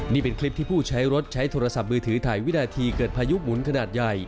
นี่เป็นคลิปที่ผู้ใช้รถใช้โทรศัพท์มือถือถ่ายวินาทีเกิดพายุหมุนขนาดใหญ่